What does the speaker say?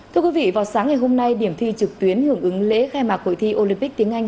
thưa quý vị vào sáng ngày hôm nay điểm thi trực tuyến hưởng ứng lễ khai mạc hội thi olympic tiếng anh